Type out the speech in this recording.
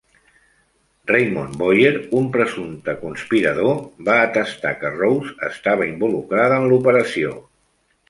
Raymond Boyer, un presumpte conspirador, va atestar que Rose estava involucrada en l'operació.